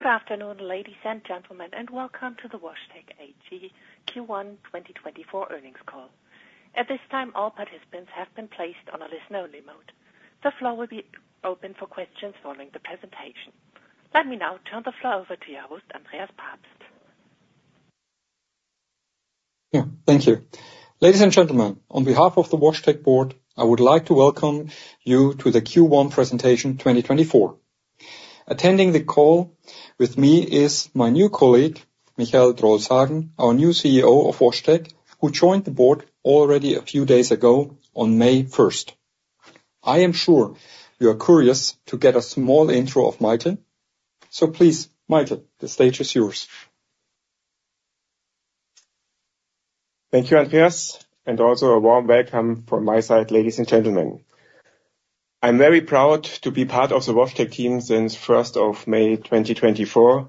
Good afternoon, ladies and gentlemen, and welcome to the WashTec AG Q1 2024 earnings call. At this time, all participants have been placed on a listen-only mode. The floor will be open for questions following the presentation. Let me now turn the floor over to your host, Andreas Pabst. Yeah, thank you. Ladies and gentlemen, on behalf of the WashTec board, I would like to welcome you to the Q1 presentation 2024. Attending the call with me is my new colleague, Michael Drolshagen, our new CEO of WashTec, who joined the board already a few days ago, on May first. I am sure you are curious to get a small intro of Michael. Please, Michael, the stage is yours. Thank you, Andreas, and also a warm welcome from my side, ladies and gentlemen. I'm very proud to be part of the WashTec team since first of May 2024,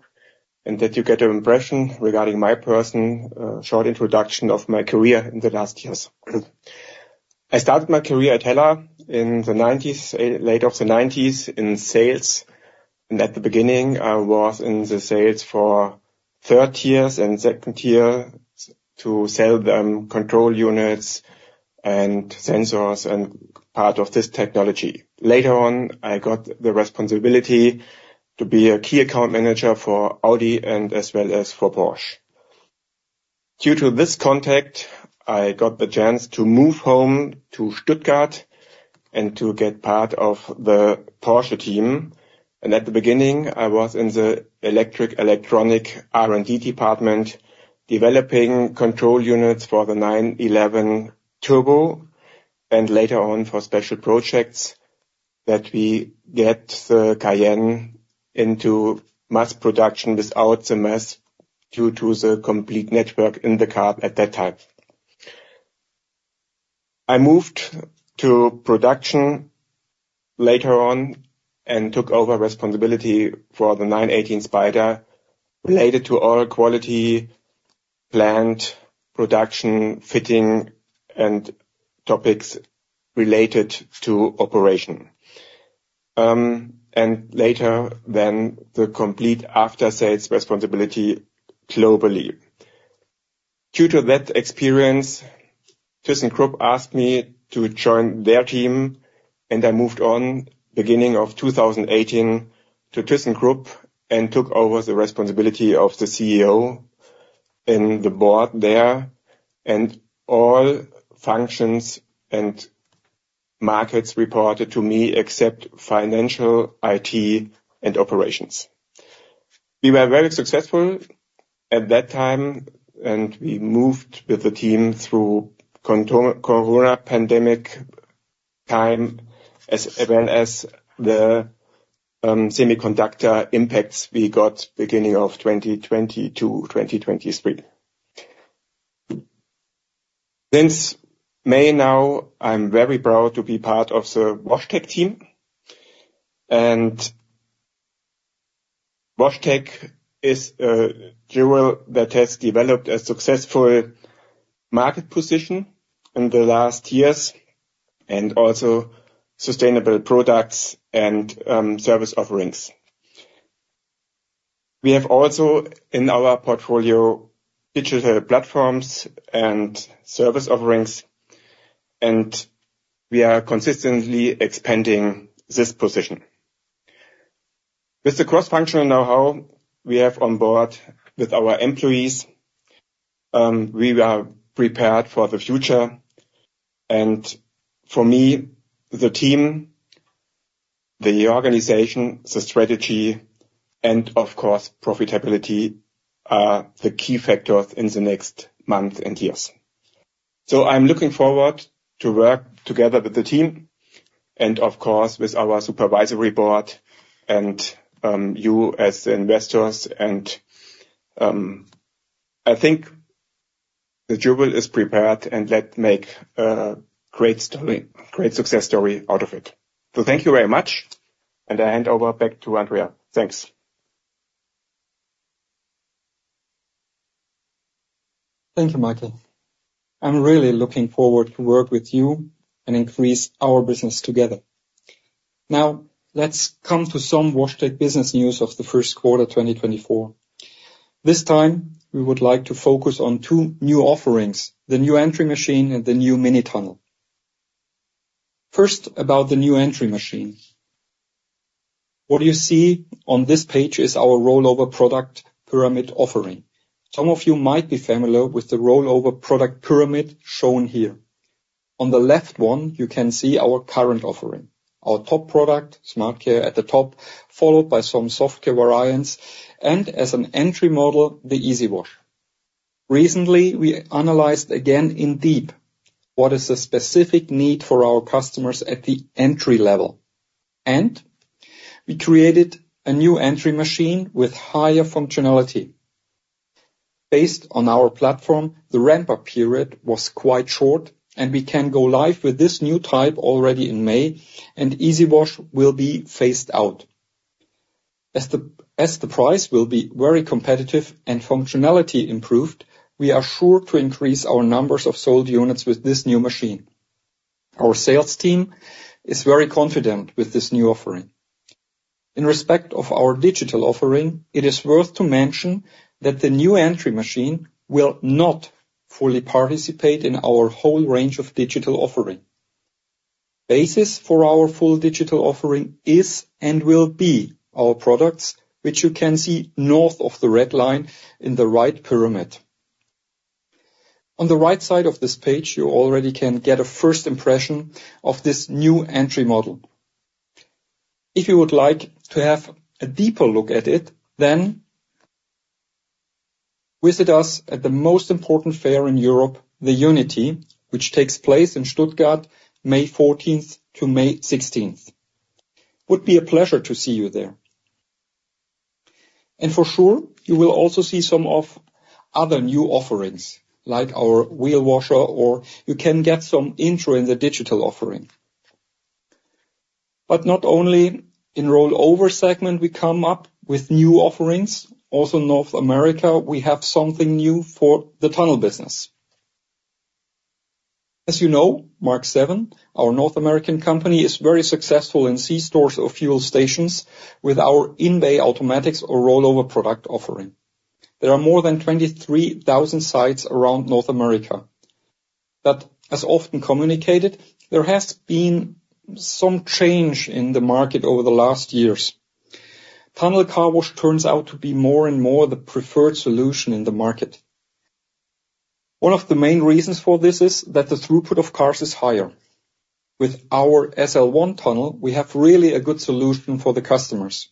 and that you get an impression regarding my person, short introduction of my career in the last years. I started my career at HELLA in the nineties, late of the nineties, in sales, and at the beginning, I was in the sales for third tiers and second tier, to sell them control units and sensors and part of this technology. Later on, I got the responsibility to be a key account manager for Audi and as well as for Porsche. Due to this contact, I got the chance to move home to Stuttgart and to get part of the Porsche team. At the beginning, I was in the electric electronic R&D department, developing control units for the 911 Turbo, and later on, for special projects, that we get the Cayenne into mass production without the mess, due to the complete network in the car at that time. I moved to production later on and took over responsibility for the 918 Spyder, related to all quality, plant, production, fitting, and topics related to operation. And later, then, the complete after-sales responsibility globally. Due to that experience, thyssenkrupp asked me to join their team, and I moved on beginning of 2018 to thyssenkrupp, and took over the responsibility of the CEO in the board there, and all functions and markets reported to me except financial, IT, and operations. We were very successful at that time, and we moved with the team through corona pandemic time, as well as the semiconductor impacts we got beginning of 2022, 2023. Since May now, I'm very proud to be part of the WashTec team. WashTec is a jewel that has developed a successful market position in the last years, and also sustainable products and service offerings. We have also, in our portfolio, digital platforms and service offerings, and we are consistently expanding this position. With the cross-functional know-how we have on board with our employees, we are prepared for the future, and for me, the team, the organization, the strategy, and of course, profitability, are the key factors in the next month and years. So, I'm looking forward to work together with the team and, of course, with our supervisory board and you as the investors. I think the jewel is prepared, and let's make a great story, great success story out of it. Thank you very much, and I hand over back to Andreas. Thanks. Thank you, Michael. I'm really looking forward to work with you and increase our business together. Now, let's come to some WashTec business news of the first quarter, 2024. This time, we would like to focus on two new offerings, the new entry machine and the new mini tunnel. First, about the new entry machine. What you see on this page is our rollover product pyramid offering. Some of you might be familiar with the rollover product pyramid shown here. On the left one, you can see our current offering. Our top product, SmartCare, at the top, followed by some software variants, and as an entry model, the EasyWash. Recently, we analyzed again in depth what is the specific need for our customers at the entry level. And we created a new entry machine with higher functionality. Based on our platform, the ramp-up period was quite short, and we can go live with this new type already in May, and EasyWash will be phased out. As the price will be very competitive and functionality improved, we are sure to increase our numbers of sold units with this new machine. Our sales team is very confident with this new offering. In respect of our digital offering, it is worth to mention that the new entry machine will not fully participate in our whole range of digital offering. Basis for our full digital offering is and will be our products, which you can see north of the red line in the right pyramid. On the right side of this page, you already can get a first impression of this new entry model. If you would like to have a deeper look at it, then visit us at the most important fair in Europe, the UNITI, which takes place in Stuttgart, May fourteenth to May sixteenth. Would be a pleasure to see you there. And for sure, you will also see some of other new offerings, like our wheel washer, or you can get some intro in the digital offering. But not only in rollover segment we come up with new offerings, also North America, we have something new for the tunnel business. As you know, Mark VII, our North American company, is very successful in C-stores or fuel stations with our in-bay automatics or rollover product offering. There are more than 23,000 sites around North America. But as often communicated, there has been some change in the market over the last years. Tunnel car wash turns out to be more and more the preferred solution in the market. One of the main reasons for this is that the throughput of cars is higher. With our SL1 tunnel, we have really a good solution for the customers.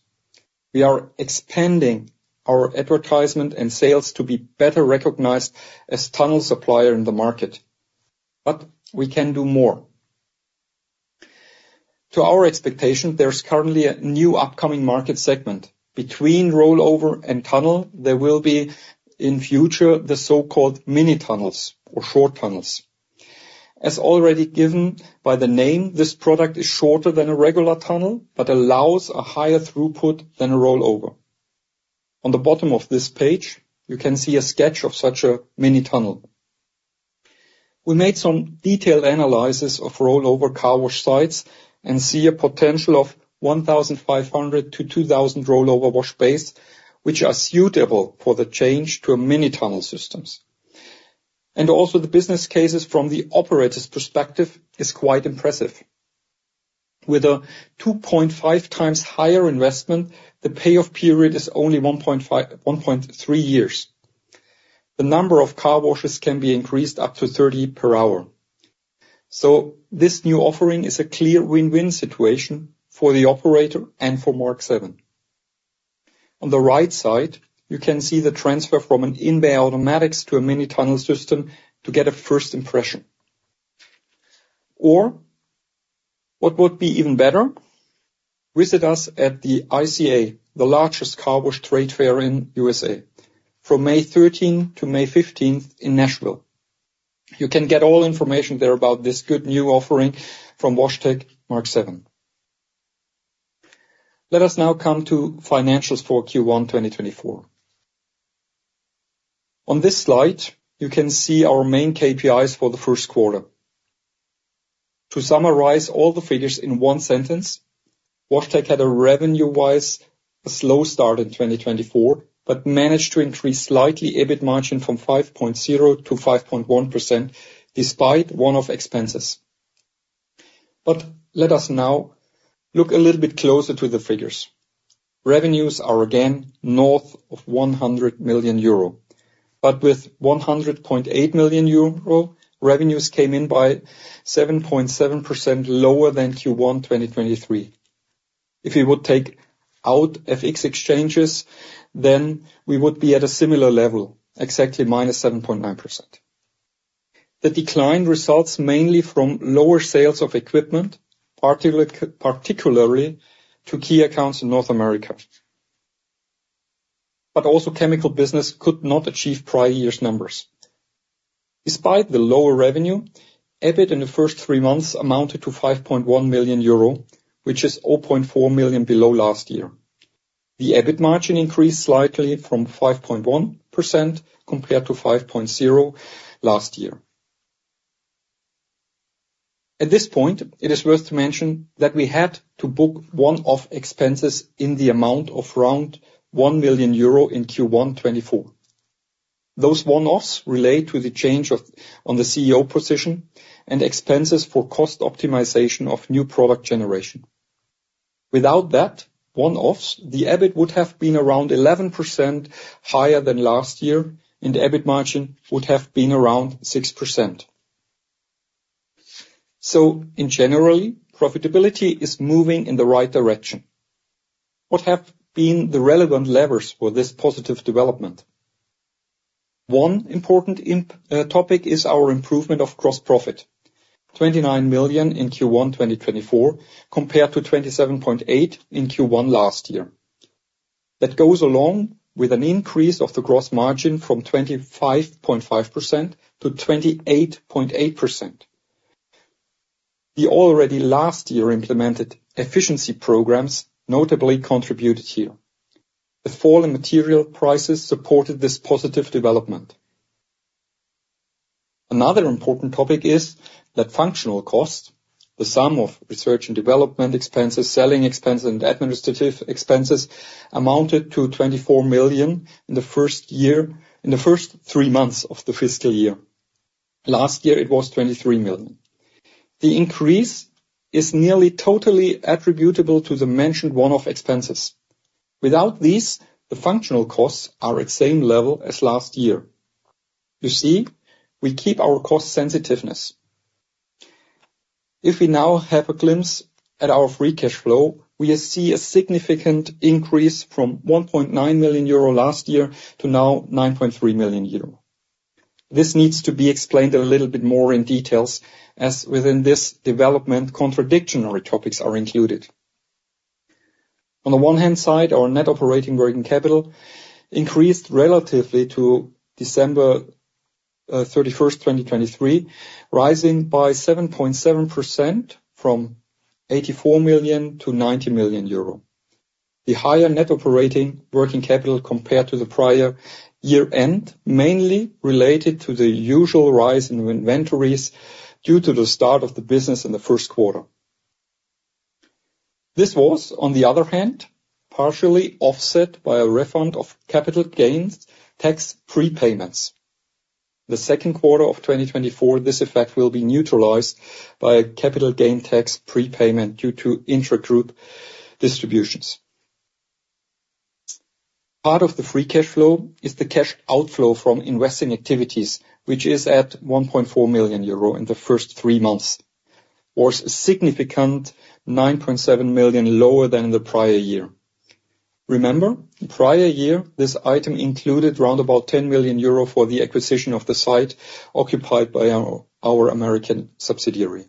We are expanding our advertisement and sales to be better recognized as tunnel supplier in the market, but we can do more. To our expectation, there's currently a new upcoming market segment. Between rollover and tunnel, there will be, in future, the so-called mini tunnels or short tunnels. As already given by the name, this product is shorter than a regular tunnel, but allows a higher throughput than a rollover. On the bottom of this page, you can see a sketch of such a mini tunnel. We made some detailed analysis of rollover car wash sites and see a potential of 1,500-2,000 rollover wash bays, which are suitable for the change to a mini tunnel systems. The business cases from the operator's perspective is quite impressive. With a 2.5 times higher investment, the payoff period is only 1.5-1.3 years. The number of car washes can be increased up to 30 per hour. So this new offering is a clear win-win situation for the operator and for Mark VII. On the right side, you can see the transfer from an in-bay automatics to a mini tunnel system to get a first impression. Or what would be even better? Visit us at the ICA, the largest car wash trade fair in USA, from May 13-May 15 in Nashville. You can get all information there about this good new offering from WashTec Mark VII. Let us now come to financials for Q1 2024. On this slide, you can see our main KPIs for the first quarter. To summarize all the figures in one sentence, WashTec had a revenue-wise, a slow start in 2024, but managed to increase slightly EBIT margin from 5.0% to 5.1%, despite one-off expenses. But let us now look a little bit closer to the figures. Revenues are again north of 100 million euro, but with 100.8 million euro, revenues came in by 7.7% lower than Q1 2023. If we would take out FX exchanges, then we would be at a similar level, exactly -7.9%. The decline results mainly from lower sales of equipment, particularly to key accounts in North America. But also, chemical business could not achieve prior year's numbers. Despite the lower revenue, EBIT in the first three months amounted to 5.1 million euro, which is 0.4 million below last year. The EBIT margin increased slightly from 5.1% compared to 5.0% last year. At this point, it is worth to mention that we had to book one-off expenses in the amount of around 1 million euro in Q1 2024. Those one-offs relate to the change of the CEO position and expenses for cost optimization of new product generation. Without those one-offs, the EBIT would have been around 11% higher than last year, and the EBIT margin would have been around 6%. So in general, profitability is moving in the right direction. What have been the relevant levers for this positive development? One important topic is our improvement of gross profit, 29 million in Q1 2024, compared to 27.8 million in Q1 last year. That goes along with an increase of the gross margin from 25.5% to 28.8%. The already last year implemented efficiency programs notably contributed here. The fall in material prices supported this positive development. Another important topic is that functional cost, the sum of research and development expenses, selling expenses, and administrative expenses, amounted to 24 million in the first three months of the fiscal year. Last year, it was 23 million. The increase is nearly totally attributable to the mentioned one-off expenses. Without these, the functional costs are at same level as last year. You see, we keep our cost sensitiveness. If we now have a glimpse at our free cash flow, we see a significant increase from 1.9 million euro last year to now 9.3 million euro. This needs to be explained a little bit more in detail, as within this development, contradictory topics are included. On the one hand, our net operating working capital increased relative to December 31, 2023, rising by 7.7% from 84 million to 90 million euro. The higher net operating working capital compared to the prior year-end, mainly related to the usual rise in inventories due to the start of the business in the first quarter. This was, on the other hand, partially offset by a refund of capital gains tax prepayments. The second quarter of 2024, this effect will be neutralized by a capital gain tax prepayment due to intragroup distributions. Part of the free cash flow is the cash outflow from investing activities, which is at 1.4 million euro in the first three months, or significantly 9.7 million lower than the prior year. Remember, in prior year, this item included round about 10 million euro for the acquisition of the site occupied by our American subsidiary.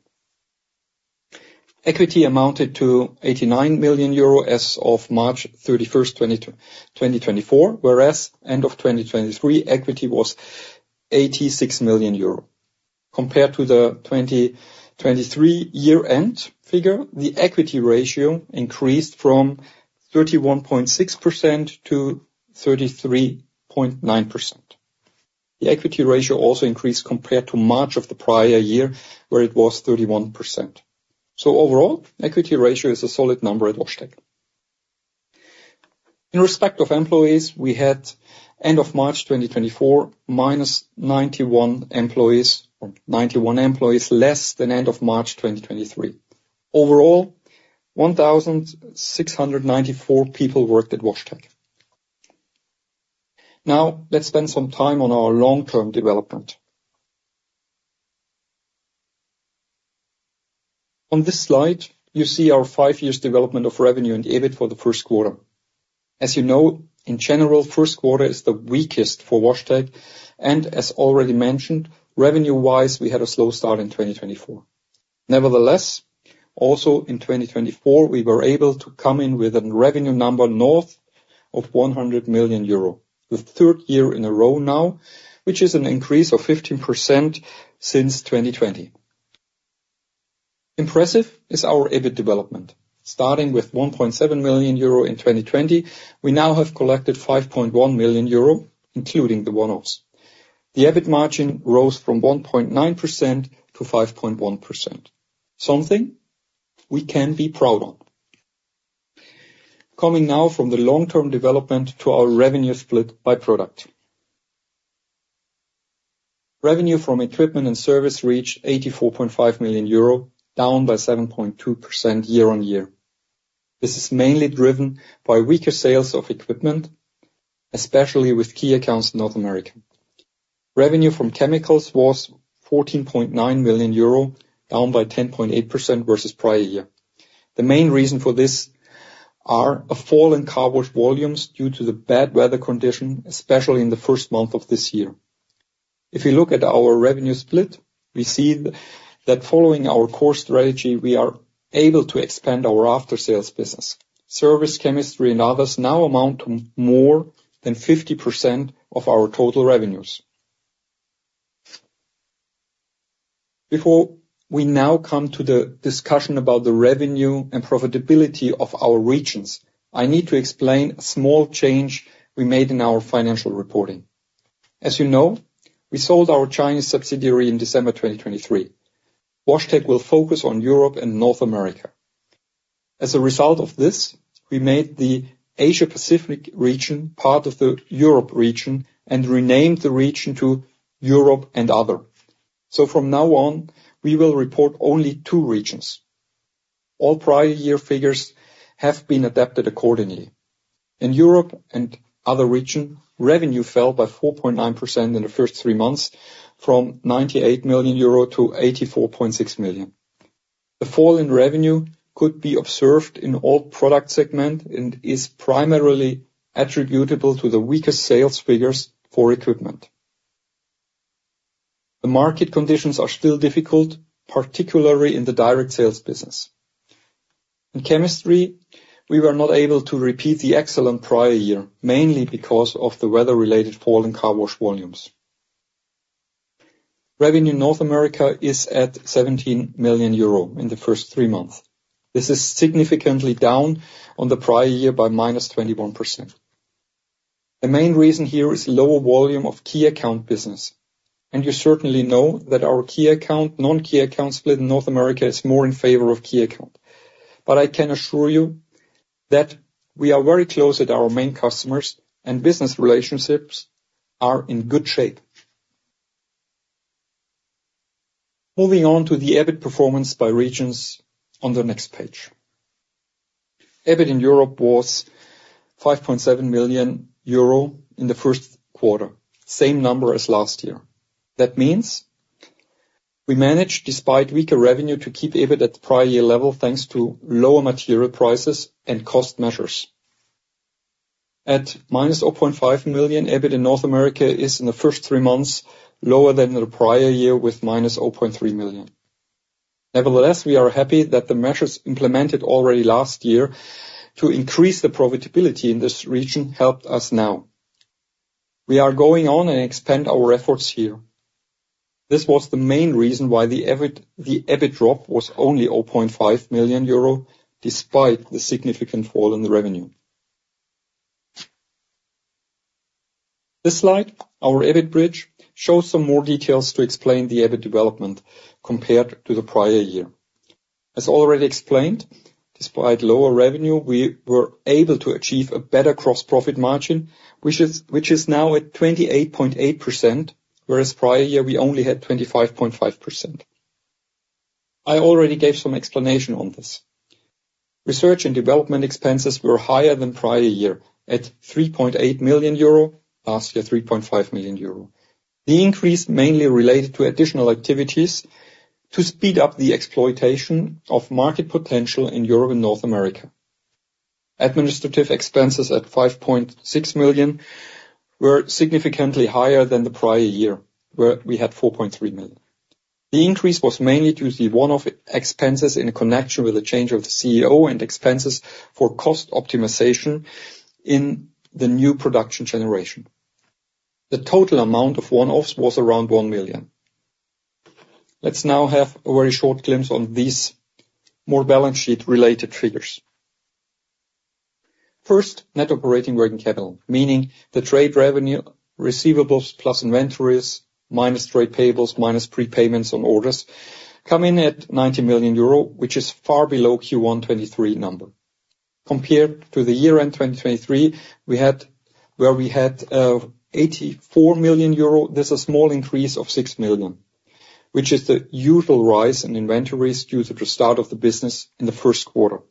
Equity amounted to 89 million euro as of March 31, 2024, whereas end of 2023, equity was 86 million euro. Compared to the 2023 year-end figure, the equity ratio increased from 31.6% to 33.9%. The equity ratio also increased compared to March of the prior year, where it was 31%. So overall, equity ratio is a solid number at WashTec. In respect of employees, we had end of March 2024, minus 91 employees, or 91 employees less than end of March 2023. Overall, 1,694 people worked at WashTec. Now, let's spend some time on our long-term development. On this slide, you see our 5-year development of revenue and EBIT for the first quarter. As you know, in general, first quarter is the weakest for WashTec, and as already mentioned, revenue-wise, we had a slow start in 2024. Nevertheless, also in 2024, we were able to come in with a revenue number north of 100 million euro, the third year in a row now, which is an increase of 15% since 2020. Impressive is our EBIT development. Starting with 1.7 million euro in 2020, we now have collected 5.1 million euro, including the one-offs. The EBIT margin rose from 1.9% to 5.1%. Something we can be proud of. Coming now from the long-term development to our revenue split by product. Revenue from equipment and service reached 84.5 million euro, down by 7.2% year-on-year. This is mainly driven by weaker sales of equipment, especially with key accounts in North America. Revenue from chemicals was 14.9 million euro, down by 10.8% versus prior year. The main reason for this are a fall in car wash volumes due to the bad weather condition, especially in the first month of this year. If you look at our revenue split, we see that following our core strategy, we are able to expand our after-sales business. Service, chemistry, and others now amount to more than 50% of our total revenues. Before we now come to the discussion about the revenue and profitability of our regions, I need to explain a small change we made in our financial reporting. As you know, we sold our Chinese subsidiary in December 2023. WashTec will focus on Europe and North America. As a result of this, we made the Asia Pacific region part of the Europe region and renamed the region to Europe and Other. So from now on, we will report only two regions. All prior year figures have been adapted accordingly. In Europe and Other region, revenue fell by 4.9% in the first three months, from 98 million euro to 84.6 million. The fall in revenue could be observed in all product segment and is primarily attributable to the weaker sales figures for equipment. The market conditions are still difficult, particularly in the direct sales business. In chemistry, we were not able to repeat the excellent prior year, mainly because of the weather-related fall in car wash volumes. Revenue in North America is at 17 million euro in the first three months. This is significantly down on the prior year by -21%. The main reason here is lower volume of key account business, and you certainly know that our key account, non-key account split in North America is more in favor of key account. But I can assure you that we are very close with our main customers, and business relationships are in good shape. Moving on to the EBIT performance by regions on the next page. EBIT in Europe was 5.7 million euro in the first quarter, same number as last year. That means we managed, despite weaker revenue, to keep EBIT at the prior year level, thanks to lower material prices and cost measures. At -0.5 million, EBIT in North America is, in the first three months, lower than the prior year, with -0.3 million. Nevertheless, we are happy that the measures implemented already last year to increase the profitability in this region helped us now. We are going on and expand our efforts here. This was the main reason why the EBIT, the EBIT drop was only 0.5 million euro, despite the significant fall in the revenue. This slide, our EBIT bridge, shows some more details to explain the EBIT development compared to the prior year. As already explained, despite lower revenue, we were able to achieve a better gross profit margin, which is, which is now at 28.8%, whereas prior year we only had 25.5%. I already gave some explanation on this. Research and development expenses were higher than prior year at 3.8 million euro, last year, 3.5 million euro. The increase mainly related to additional activities to speed up the exploitation of market potential in Europe and North America. Administrative expenses at 5.6 million were significantly higher than the prior year, where we had 4.3 million. The increase was mainly due to the one-off expenses in connection with the change of the CEO and expenses for cost optimization in the new production generation. The total amount of one-offs was around 1 million. Let's now have a very short glimpse on these more balance sheet-related figures. First, net operating working capital, meaning the trade receivables plus inventories, minus trade payables, minus prepayments on orders, come in at 90 million euro, which is far below Q1 2023 number. Compared to the year-end 2023, we had, where we had, 84 million euro, there's a small increase of 6 million, which is the usual rise in inventories due to the start of the business in the first quarter.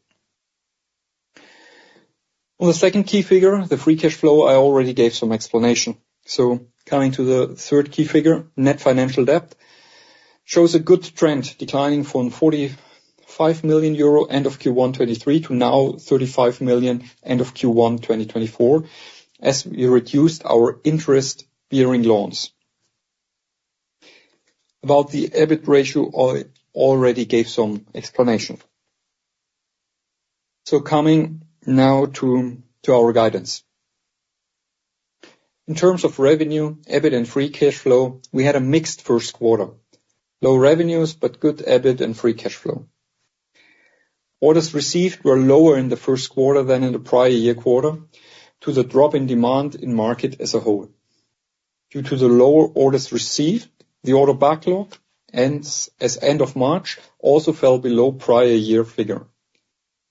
On the second key figure, the free cash flow, I already gave some explanation. So coming to the third key figure, net financial debt shows a good trend, declining from 45 million euro end of Q1 2023 to now 35 million end of Q1 2024, as we reduced our interest-bearing loans. About the EBIT ratio, I already gave some explanation. So coming now to our guidance. In terms of revenue, EBIT, and free cash flow, we had a mixed first quarter. Low revenues, but good EBIT and free cash flow. Orders received were lower in the first quarter than in the prior year quarter, due to the drop in demand in market as a whole. Due to the lower orders received, the order backlog as end of March also fell below prior year figure.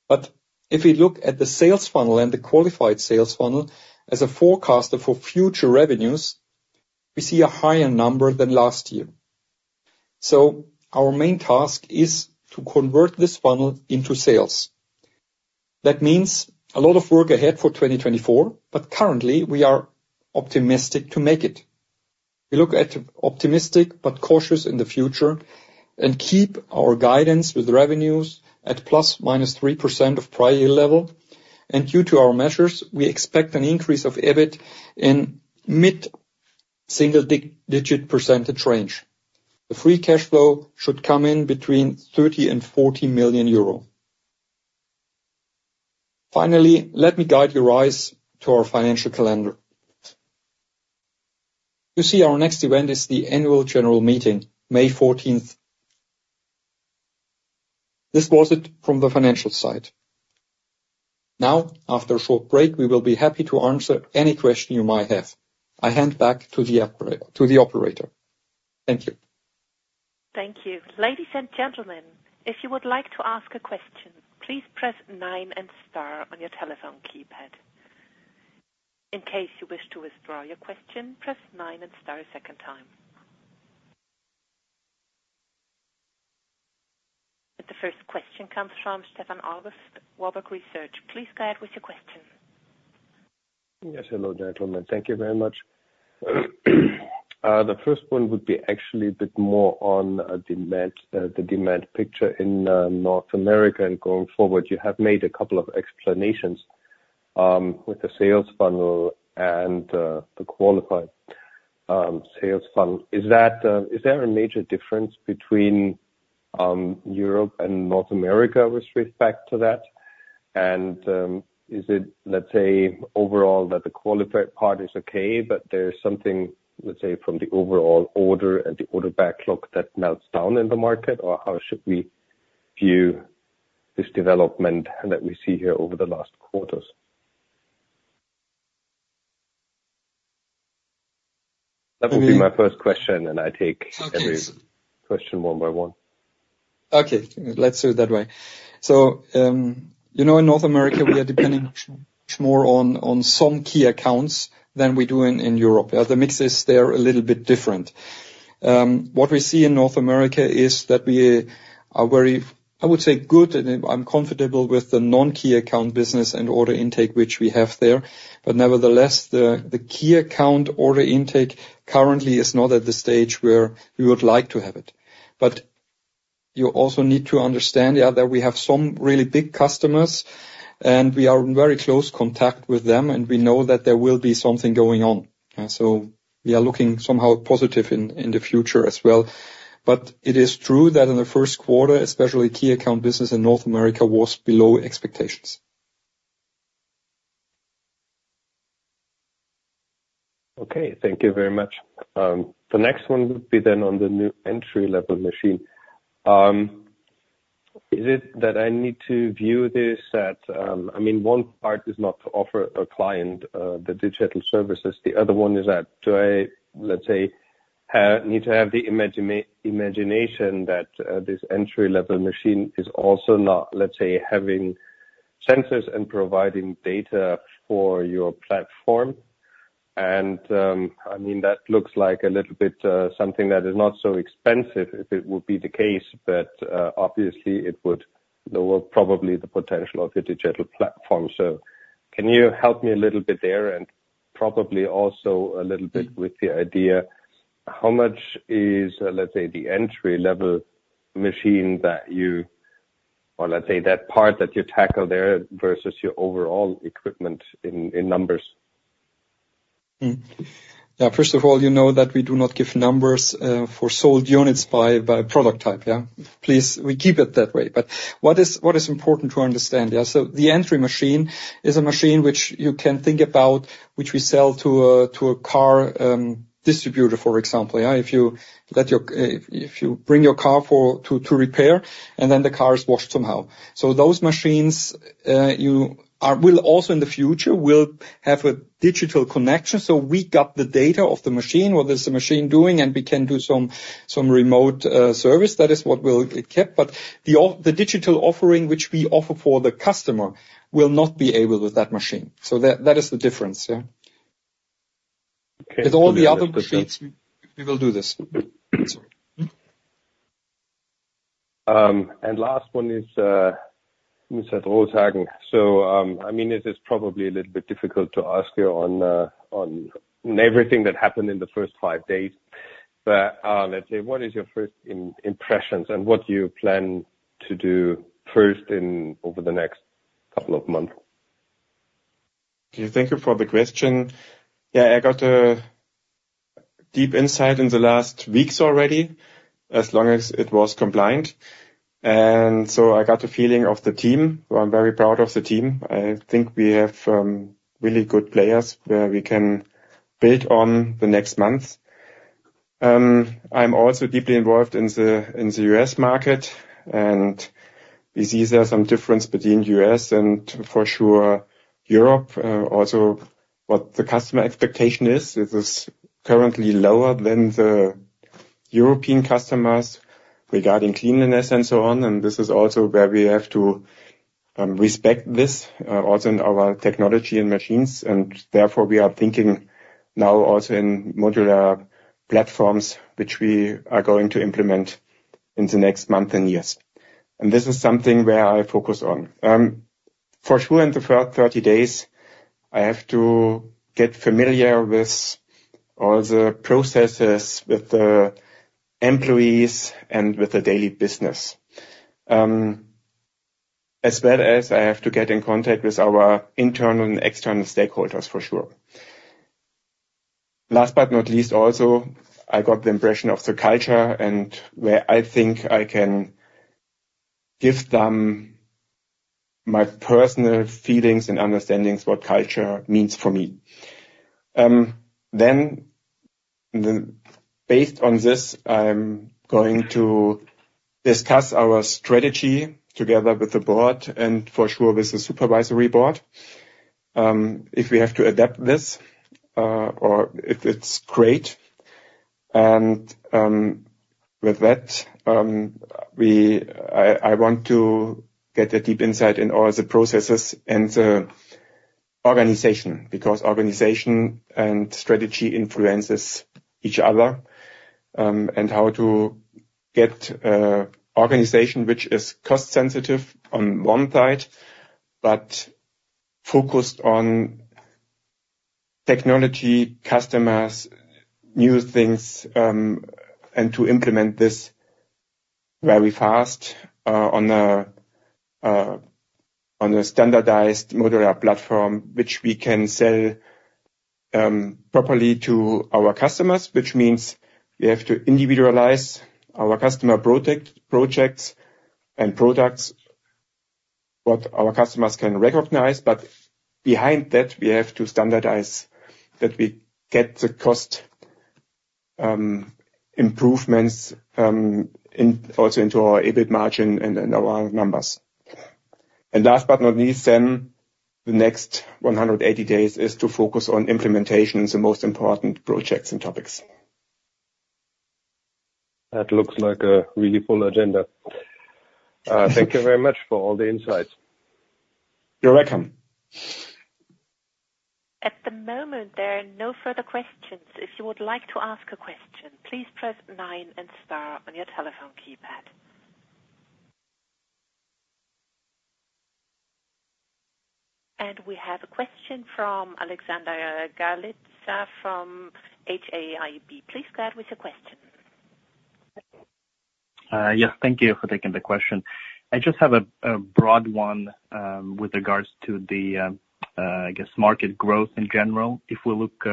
But if we look at the sales funnel and the qualified sales funnel as a forecaster for future revenues, we see a higher number than last year. Our main task is to convert this funnel into sales. That means a lot of work ahead for 2024, but currently, we are optimistic to make it. We look at optimistic but cautious in the future and keep our guidance with revenues at ±3% of prior year level, and due to our measures, we expect an increase of EBIT in mid-single-digit percentage range. The free cash flow should come in between 30 million and 40 million euro. Finally, let me guide your eyes to our financial calendar. You see our next event is the annual general meeting, May fourteenth. This was it from the financial side. Now, after a short break, we will be happy to answer any question you might have. I hand back to the operator. Thank you. Thank you. Ladies and gentlemen, if you would like to ask a question, please press nine and star on your telephone keypad. In case you wish to withdraw your question, press nine and star a second time. The first question comes from Stefan Augustin, Warburg Research. Please go ahead with your question. Yes, hello, gentlemen. Thank you very much. The first one would be actually a bit more on demand, the demand picture in North America and going forward. You have made a couple of explanations with the sales funnel and the qualified sales funnel. Is that, is there a major difference between Europe and North America with respect to that? And, is it, let's say, overall, that the qualified part is okay, but there's something, let's say, from the overall order and the order backlog that melts down in the market? Or how should we view this development that we see here over the last quarters? That would be my first question, and I take every question one by one. Okay, let's do it that way. So, you know, in North America, we are depending more on, on some key accounts than we do in, in Europe. The mixes there are a little bit different. What we see in North America is that we are very, I would say, good, and I'm comfortable with the non-key account business and order intake which we have there. But nevertheless, the key account order intake currently is not at the stage where we would like to have it. But you also need to understand, yeah, that we have some really big customers, and we are in very close contact with them, and we know that there will be something going on. And so we are looking somehow positive in the future as well. But it is true that in the first quarter, especially, key account business in North America was below expectations. Okay, thank you very much. The next one would be then on the new entry-level machine. Is it that I need to view this at... I mean, one part is not to offer a client the digital services. The other one is that, do I, let's say, have, need to have the imagination that this entry-level machine is also not, let's say, having sensors and providing data for your platform? And, I mean, that looks like a little bit something that is not so expensive, if it would be the case, but, obviously, it would lower probably the potential of your digital platform. Can you help me a little bit there, and probably also a little bit with the idea, how much is, let's say, the entry-level machine that you, or let's say, that part that you tackle there versus your overall equipment in, in numbers? Hmm. Yeah, first of all, you know that we do not give numbers for sold units by product type, yeah? Please, we keep it that way. But what is important to understand, yeah, so the entry machine is a machine which you can think about, which we sell to a car distributor, for example, yeah. If you bring your car to repair, and then the car is washed somehow. So those machines will also in the future will have a digital connection, so we got the data of the machine, what is the machine doing, and we can do some remote service. That is what will it kept. But the digital offering, which we offer for the customer, will not be able with that machine. That is the difference, yeah. Okay. With all the other machines, we will do this. And last one is, Mr. Drolshagen. So, I mean, it is probably a little bit difficult to ask you on the, on everything that happened in the first five days, but, let's say, what is your first impressions, and what do you plan to do first in, over the next couple of months? Thank you for the question. Yeah, I got a deep insight in the last weeks already, as long as it was compliant. And so I got a feeling of the team, who I'm very proud of the team. I think we have really good players, where we can build on the next months. I'm also deeply involved in the, in the US market, and we see there are some difference between US and, for sure, Europe. Also, what the customer expectation is, it is currently lower than the European customers regarding cleanliness and so on. And this is also where we have to respect this, also in our technology and machines, and therefore, we are thinking now also in modular platforms, which we are going to implement in the next month and years. And this is something where I focus on. For sure, in the first 30 days, I have to get familiar with all the processes, with the employees, and with the daily business. As well as I have to get in contact with our internal and external stakeholders, for sure. Last but not least, also, I got the impression of the culture and where I think I can give them my personal feelings and understandings, what culture means for me. Based on this, I'm going to discuss our strategy together with the board and for sure with the supervisory board, if we have to adapt this, or if it's great. With that, I want to get a deep insight in all the processes and the organization, because organization and strategy influences each other, and how to get a organization which is cost sensitive on one side, but focused on technology, customers, new things, and to implement this very fast, on a, on a standardized modular platform, which we can sell-... properly to our customers, which means we have to individualize our customer projects and products, what our customers can recognize. But behind that, we have to standardize that we get the cost improvements in also into our EBIT margin and our numbers. And last but not least, then, the next 180 days is to focus on implementation is the most important projects and topics. That looks like a really full agenda. Thank you very much for all the insights. You're welcome. At the moment, there are no further questions. If you would like to ask a question, please press nine and star on your telephone keypad. We have a question from Alexander Galiza from HAIB. Please go ahead with your question. Yes, thank you for taking the question. I just have a broad one, with regards to the, I guess, market growth in general. If we look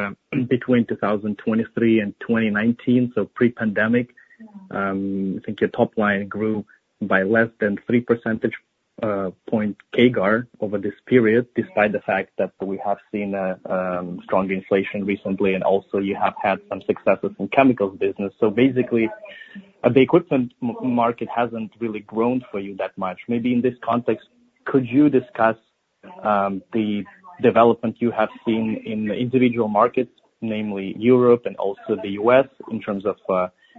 between 2023 and 2019, so pre-pandemic, I think your top line grew by less than 3 percentage point CAGR over this period, despite the fact that we have seen a strong inflation recently, and also you have had some successes in chemicals business. So basically, the equipment market hasn't really grown for you that much. Maybe in this context, could you discuss the development you have seen in the individual markets, namely Europe and also the US, in terms of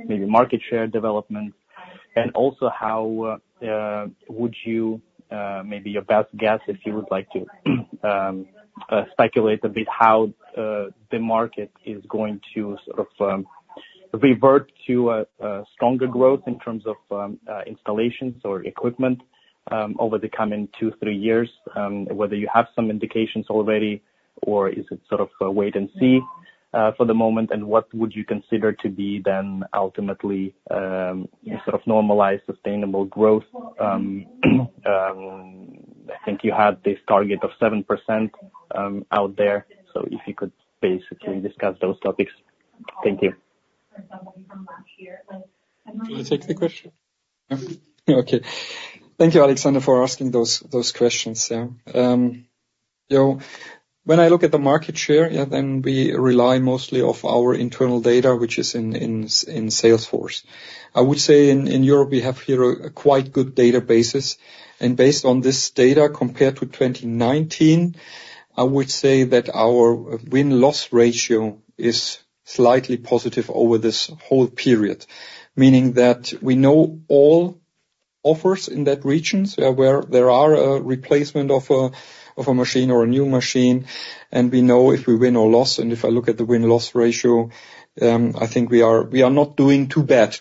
maybe market share development? And also, how would you maybe your best guess, if you would like to speculate a bit, how the market is going to sort of revert to a stronger growth in terms of installations or equipment over the coming 2-3 years? Whether you have some indications already, or is it sort of a wait and see for the moment? And what would you consider to be then ultimately sort of normalized, sustainable growth? I think you had this target of 7% out there. So if you could basically discuss those topics. Thank you. Do you want to take the question? Okay. Thank you, Alexander, for asking those questions, yeah. You know, when I look at the market share, yeah, then we rely mostly of our internal data, which is in Salesforce. I would say in Europe, we have here a quite good databases, and based on this data, compared to 2019, I would say that our win-loss ratio is slightly positive over this whole period. Meaning that we know all offers in that regions, where there are a replacement of a machine or a new machine, and we know if we win or loss. And if I look at the win-loss ratio, I think we are not doing too bad.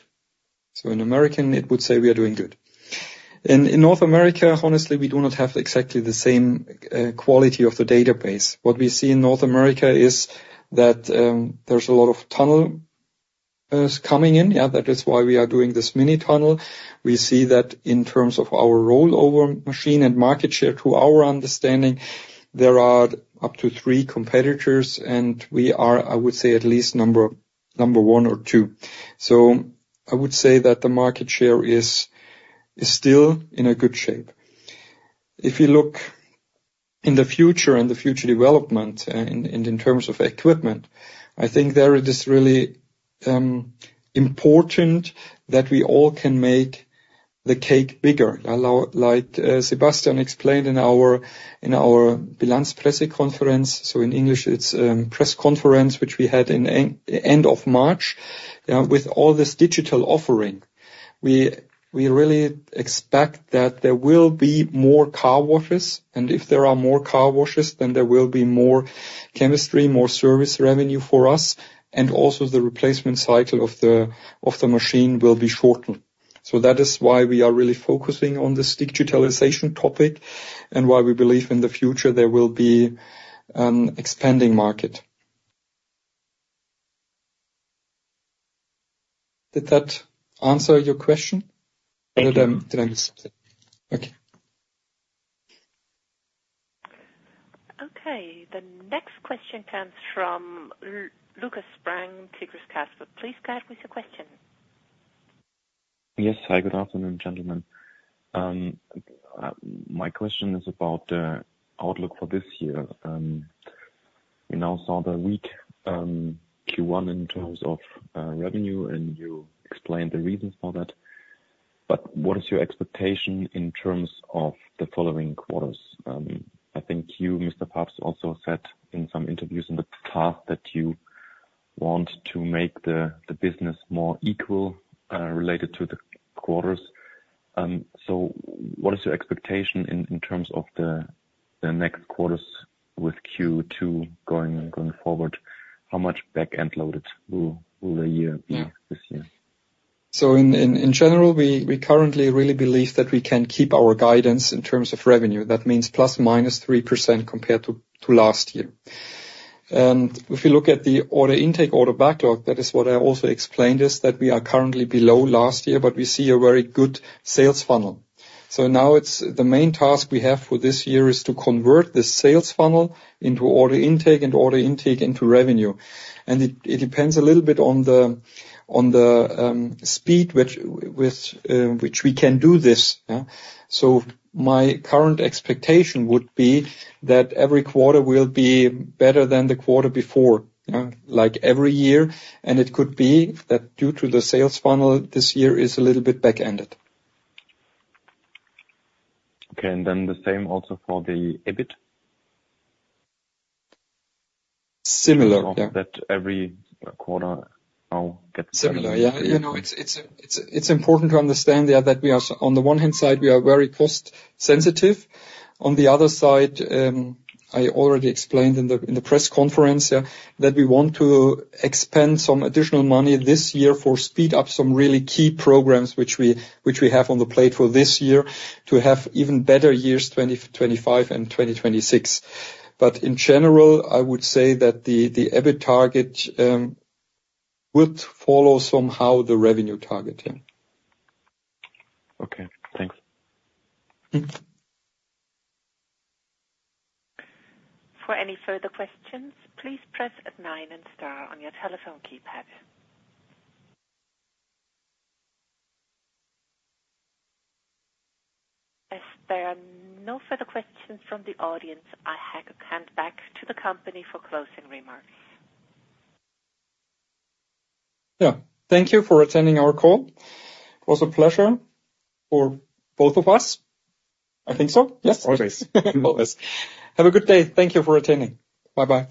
So in American, it would say we are doing good. In North America, honestly, we do not have exactly the same quality of the database. What we see in North America is that there's a lot of tunnel coming in. Yeah, that is why we are doing this mini tunnel. We see that in terms of our rollover machine and market share, to our understanding, there are up to three competitors, and we are, I would say at least number one or two. So I would say that the market share is still in a good shape. If you look in the future and the future development and in terms of equipment, I think there it is really important that we all can make the cake bigger. As like, Sebastian explained in our Balance press conference. So in English, it's press conference, which we had in end of March. With all this digital offering, we really expect that there will be more car washes, and if there are more car washes, then there will be more chemistry, more service revenue for us, and also the replacement cycle of the machine will be shortened. So that is why we are really focusing on this digitalization topic, and why we believe in the future there will be expanding market. Did that answer your question? Thank you. Did I, did I miss it? Okay. Okay, the next question comes from Lukas Spang, Tigris Capital. Please go ahead with your question. Yes. Hi, good afternoon, gentlemen. My question is about the outlook for this year. We now saw the weak Q1 in terms of revenue, and you explained the reasons for that, but what is your expectation in terms of the following quarters? I think you, Mr. Pabst, also said in some interviews in the past, that you want to make the business more equal related to the quarters. So what is your expectation in terms of the next quarters with Q2 going forward? How much back end loaded will the year be this year? So in general, we currently really believe that we can keep our guidance in terms of revenue. That means ±3% compared to last year. And if you look at the order intake, order backlog, that is what I also explained, is that we are currently below last year, but we see a very good sales funnel. So now it's the main task we have for this year is to convert this sales funnel into order intake, and order intake into revenue. And it depends a little bit on the on the speed with which we can do this, yeah? So my current expectation would be that every quarter will be better than the quarter before, yeah, like every year. And it could be that due to the sales funnel, this year is a little bit back-ended. Okay, and then the same also for the EBIT? Similar, yeah. That every quarter now gets- Similar. Yeah, you know, it's important to understand, yeah, that we are... On the one hand side, we are very cost sensitive. On the other side, I already explained in the press conference, yeah, that we want to expend some additional money this year for speed up some really key programs which we have on the plate for this year, to have even better years, 2025 and 2026. But in general, I would say that the EBIT target would follow somehow the revenue targeting. Okay, thanks. Mm. For any further questions, please press nine and star on your telephone keypad. As there are no further questions from the audience, I hand back to the company for closing remarks. Yeah, thank you for attending our call. It was a pleasure for both of us. I think so? Yes. Always. Always. Have a good day. Thank you for attending. Bye-bye.